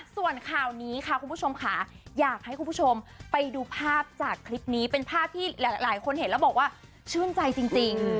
ส่วนข่าวนี้ค่ะคุณผู้ชมค่ะอยากให้คุณผู้ชมไปดูภาพจากคลิปนี้เป็นภาพที่หลายคนเห็นแล้วบอกว่าชื่นใจจริง